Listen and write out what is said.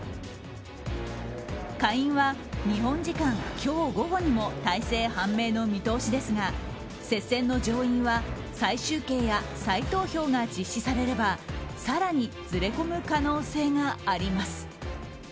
下院は日本時間今日午後にも大勢判明の見通しですが接戦の上院は再集計や再投票が実施されれば更にずれ込む可能性があります。